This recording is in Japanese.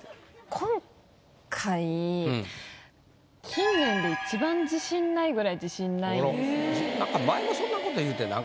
今回近年で一番自信ないぐらい自信ないんですよ。